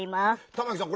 玉木さん